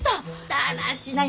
だらしない！